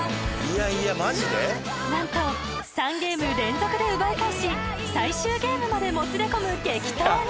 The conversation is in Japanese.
何と３ゲーム連続で奪い返し最終ゲームまでもつれ込む激闘に！